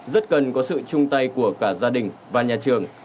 rất cần có sự chung tay của cả gia đình và nhà trường